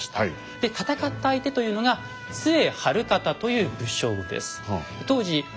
で戦った相手というのが陶晴賢という武将です。